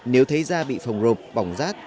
nếu thấy da bị phồng rộp bỏng rát